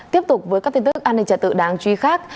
tiếp tục với các tin tức an ninh trật tự đáng truy khắc